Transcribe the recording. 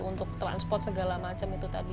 untuk transport segala macam itu tadi